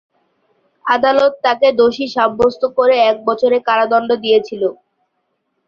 আদালত তাকে দোষী সাব্যস্ত করে এক বছরের কারাদন্ড দিয়েছিল।